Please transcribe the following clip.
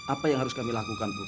apa yang harus kami lakukan bu